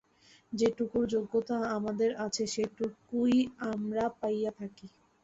যেটুকুর যোগ্যতা আমাদের আছে, সেইটুকুই আমরা পাইয়া থাকি।